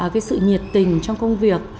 cái sự nhiệt tình trong công việc